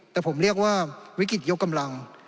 แต่ผมเรียกว่าวิกฤตยกกำลัง